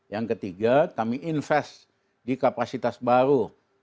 yang ketiga kami invest di kapasitas baru